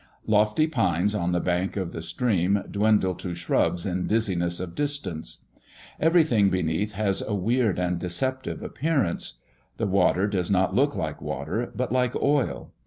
Lofty pines on the bank of the stream 'dwindle to shrubs in dizziness of distance.' Everything beneath has a weird and deceptive appearance. The water does not look like water, but like oil.